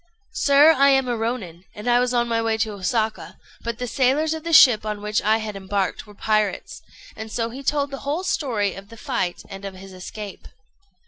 "Sir, I am a Rônin, and was on my way to Osaka; but the sailors of the ship on which I had embarked were pirates;" and so he told the whole story of the fight and of his escape.